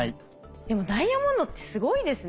でもダイヤモンドってすごいですね。